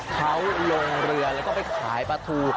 เขาลงเรือแล้วก็ไปขายปลาทู